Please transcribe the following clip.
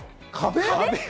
壁？